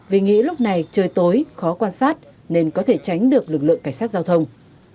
vì nghĩ lúc này trời tối khó quan sát nên có thể tránh được lực lượng cảnh sát giao thông